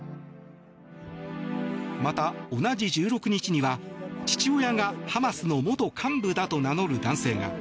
また、同じ１６日には父親がハマスの元幹部だと名乗る男性が。